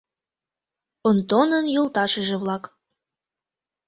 Онтонын йолташыже-влак.